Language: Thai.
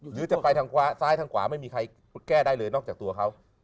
หรือจะไปทางซ้ายทางขวาไม่มีใครแก้ได้เลยนอกจากตัวเขา